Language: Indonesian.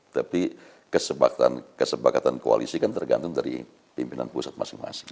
tapi kesepakatan koalisi kan tergantung dari pimpinan pusat masing masing